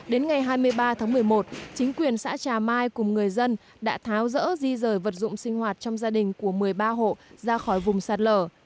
đến ngày hai mươi ba tháng một mươi một chính quyền xã trà mai cùng người dân đã tháo rỡ di rời vật dụng sinh hoạt trong gia đình của một mươi ba hộ ra khỏi vùng sạt lở